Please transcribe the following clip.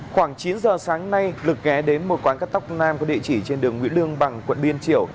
khoảng chín giờ sáng nay lực ghé đến một quán cắt tóc nam có địa chỉ trên đường nguyễn lương bằng quận liên triểu